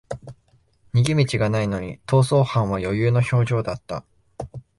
逃げ道がないのに逃走犯は余裕の表情だった